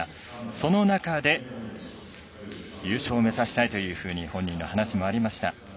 その中で、優勝を目指したいというふうに本人の話もありました。